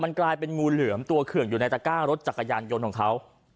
กลายเป็นงูเหลือมตัวเคืองอยู่ในตะก้ารถจักรยานยนต์ของเขา